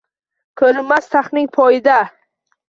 Ko’rinmas taxtining poyida